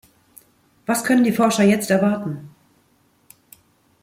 Was können die Forscher jetzt erwarten?